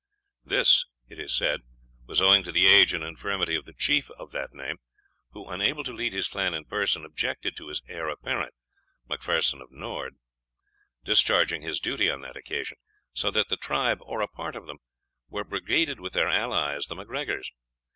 This, it is said, was owing to the age and infirmity of the chief of that name, who, unable to lead his clan in person, objected to his heir apparent, Macpherson of Nord, discharging his duty on that occasion; so that the tribe, or a part of them, were brigaded with their allies the MacGregors.